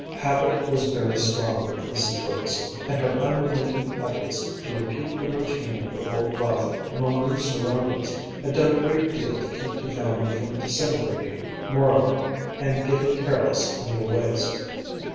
Habit was very strong with Mrs. Bergson, and her unremitting efforts to repeat the routine of her old life among new surroundings had done a great deal to keep the family from disintegrating morally and getting careless in their ways.